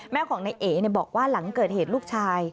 แม่ของนายเอ๋บอกว่าหลังเกิดเหตุลูกชาย